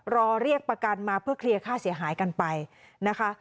รอเรียกประกันมาเพื่อเคลียร์ค่าเสียหายกันไปนะคะ